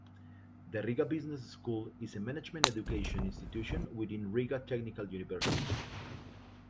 The Riga Business School is a management-education institution within Riga Technical University.